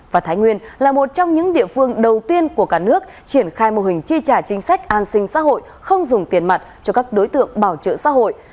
và thái nguyên là một trong những địa phương đầu tiên của cả nước triển khai mô hình chi trả chính sách an sinh xã hội không dùng tiền mặt cho các đối tượng bảo trợ xã hội